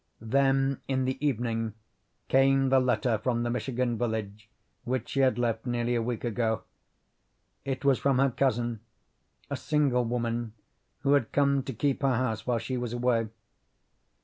Then in the evening came the letter from the Michigan village which she had left nearly a week ago. It was from her cousin, a single woman, who had come to keep her house while she was away.